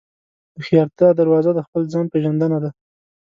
د هوښیارتیا دروازه د خپل ځان پېژندنه ده.